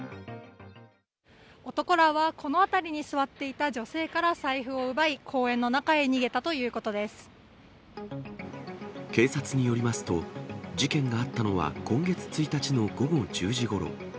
男らはこの辺りに座っていた女性から財布を奪い、警察によりますと、事件があったのは今月１日の午後１０時ごろ。